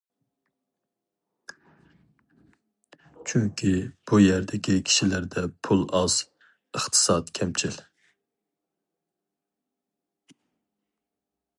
چۈنكى، بۇ يەردىكى كىشىلەردە پۇل ئاز، ئىقتىساد كەمچىل.